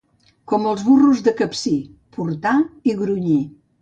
Com els burros de Capcir: portar i grunyir.